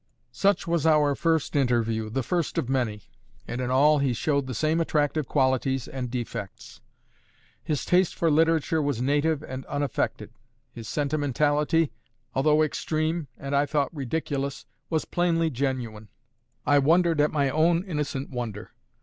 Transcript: Such was our first interview, the first of many; and in all he showed the same attractive qualities and defects. His taste for literature was native and unaffected; his sentimentality, although extreme and a thought ridiculous, was plainly genuine. I wondered at my own innocent wonder.